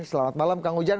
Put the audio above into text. selamat malam kang ujang